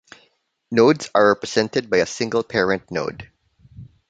Nodes are represented by a single parent node.